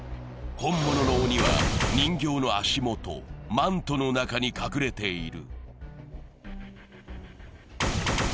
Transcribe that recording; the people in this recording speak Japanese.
本物の鬼は人形の足元、マントの中に隠れている。